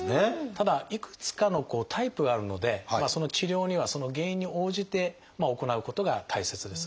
ただいくつかのタイプがあるのでその治療にはその原因に応じて行うことが大切です。